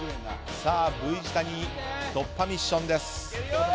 Ｖ字谷突破ミッションです。